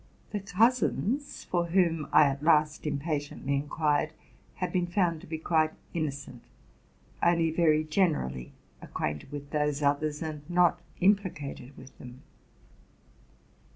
'The cousins,. for whom I at last impatiently in quired, had been found to be quite innocent, only very generally acquainted with those others, and not at all impli sated with them.